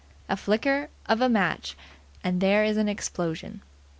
A flicker of a match, and there is an explosion.